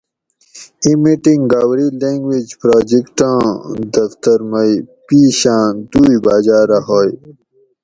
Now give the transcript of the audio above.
ایں میٹنگ گاؤری لینگویج پراجیکٹاں دفتر مئی پیشاۤں دوئی باجاۤ رہ ہوئے